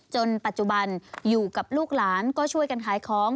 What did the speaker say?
ปัจจุบันอยู่กับลูกหลานก็ช่วยกันขายของ